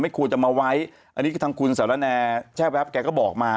ควรจะมาไว้อันนี้คือทางคุณสารแนแช่แป๊บแกก็บอกมา